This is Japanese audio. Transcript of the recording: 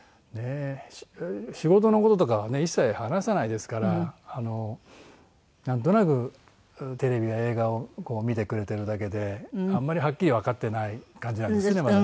仕事の事とかはね一切話さないですからなんとなくテレビや映画を見てくれてるだけであんまりはっきりわかってない感じなんですけどまだね。